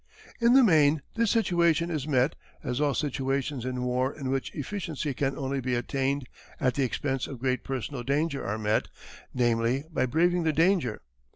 In the main this situation is met, as all situations in war in which efficiency can only be attained at the expense of great personal danger are met, namely, by braving the danger.